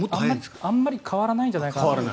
あまり変わらないんじゃないかと。